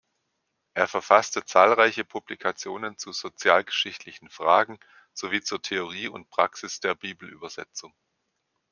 Er verfasste zahlreiche Publikationen zu sozialgeschichtlichen Fragen, sowie zur Theorie und Praxis der Bibelübersetzung.